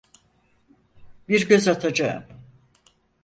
Bir göz atacağım.